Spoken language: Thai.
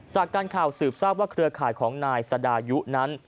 จากการข่าวสืบทราบว่าเครือข่ายของนายสดายุนั้น